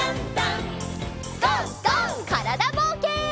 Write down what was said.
からだぼうけん。